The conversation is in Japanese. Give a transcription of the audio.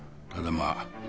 ただまあ